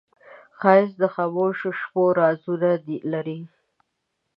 ښایست د خاموشو شپو رازونه لري